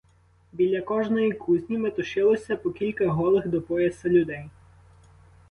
Біля кожної кузні метушилося по кілька голих до пояса людей.